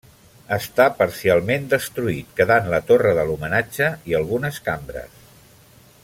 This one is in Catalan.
Està parcialment destruït quedant la torre de l'homenatge i algunes cambres.